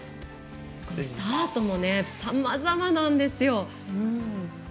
スタートもさまざまなんですよ。